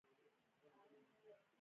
زړه د محبت هوا ته اړتیا لري.